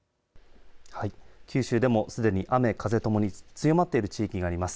はい、九州でもすでに雨風ともに強まっている地域があります。